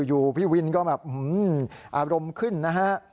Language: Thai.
อยู่พี่วินก็แบบอารมณ์ขึ้นนะฮะ